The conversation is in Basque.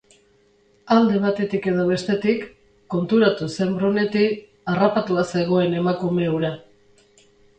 Alde batetik edo bestetik, konturatu zen Brunetti, harrapatua zegoen emakume hura.